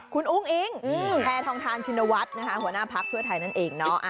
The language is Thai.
คุณอุ้งอิ๊งแพทองทานชินวัฒน์หัวหน้าพักเพื่อไทยนั่นเองเนาะ